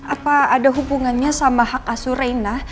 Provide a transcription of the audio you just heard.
apa ada hubungannya sama hak asur reina